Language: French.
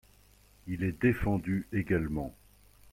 Il est défendu également.